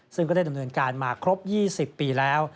ซึ่งก็ได้ดำเนินการมาครบ๒๐ปีแล้ว